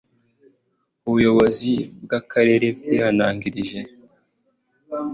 Ubuyobozi bw Akarere bwihanangirije